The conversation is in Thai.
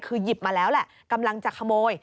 คือหยิบมาแล้วแหละกำลังจะขโมย